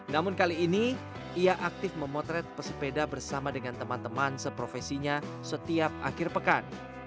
namun kali ini ia aktif memotret pesepeda bersama dengan teman teman seprofesinya setiap akhir pekan